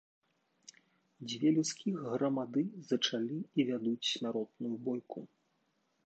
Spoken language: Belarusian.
Дзве людскіх грамады зачалі і вядуць смяротную бойку.